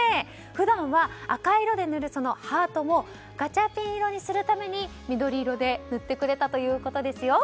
普段は赤色で塗るハートもガチャピン色にするために緑色で塗ってくれたということですよ。